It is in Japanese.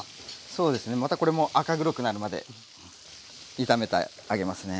そうですねまたこれも赤黒くなるまで炒めてあげますね。